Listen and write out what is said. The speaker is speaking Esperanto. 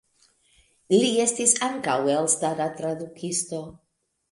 Li estis ankaŭ elstara tradukisto.